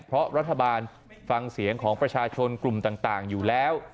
เพราะรัฐบาลฟังเสียงของประชาชนกลุ่มต่างอยู่แล้ว